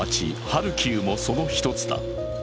ハルキウもその１つだ。